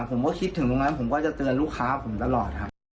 ผมก็คิดถึงตรงนั้นผมจะเตือนลูกค้าของผมตลอด